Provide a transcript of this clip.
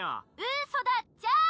☎うーそだっちゃ！